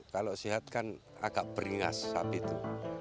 kalau sehat kan agak beringas sapi itu